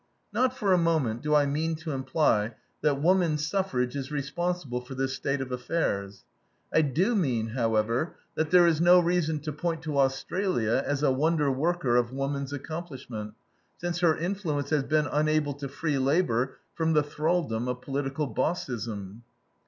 Not for a moment do I mean to imply that woman suffrage is responsible for this state of affairs. I do mean, however, that there is no reason to point to Australia as a wonder worker of woman's accomplishment, since her influence has been unable to free labor from the thralldom of political bossism.